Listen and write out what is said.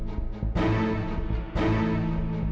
jadi aunt masa damai ere preparing